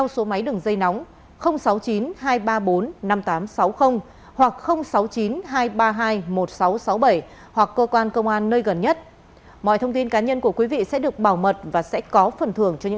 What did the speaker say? xin chào các bạn